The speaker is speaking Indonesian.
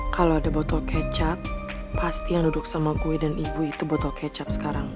kalau ada botol kecap pasti yang duduk sama kue dan ibu itu botol kecap sekarang